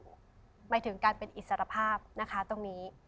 หมายถึงการเป็นอิสรภาพนะคะตรงนี้